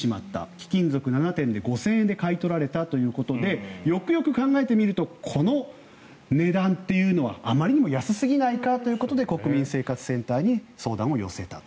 貴金属７点で５０００円で買い取られたということでよくよく考えてみるとこの値段というのはあまりにも安すぎないかということで国民生活センターに相談を寄せたと。